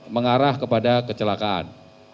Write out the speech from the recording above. mengarah kepada kecelakaan